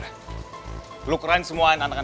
boleh bayi k orden